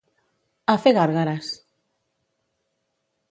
A fer gàrgares!